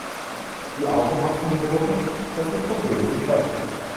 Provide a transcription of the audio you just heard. Die Augentropfen bewirken, dass die Pupillen sich weiten.